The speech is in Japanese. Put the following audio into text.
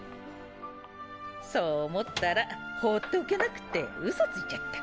そう思ったら放っておけなくて嘘ついちゃった。